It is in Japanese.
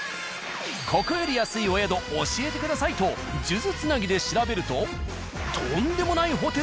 ここより安いお宿教えてくださいと数珠つなぎで調べると。